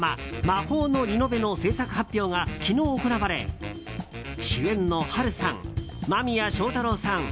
「魔法のリノベ」の制作発表が昨日行われ、主演の波瑠さん間宮祥太朗さん